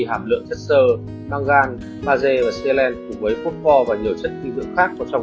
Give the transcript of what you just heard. hàm lượng chất xơ năng gan maze và xe len cùng với phốt pho và nhiều chất dinh dưỡng khác có trong